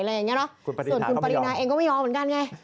ส่วนคุณปรินาเองก็ไม่ยอมเหมือนกันไง